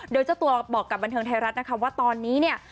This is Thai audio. โดยเจ้าตัวบอกกับบันเทิงไทยรัฐนะคะว่าตอนนี้เนี่ย